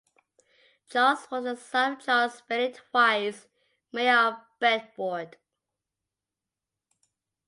Charles was the son of Charles Bailey twice Mayor of Bedford.